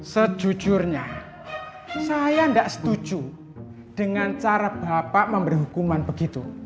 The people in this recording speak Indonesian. sejujurnya saya tidak setuju dengan cara bapak memberi hukuman begitu